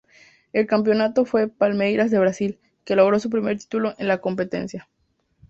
El campeón fue Palmeiras de Brasil, que logró su primer título en la competición.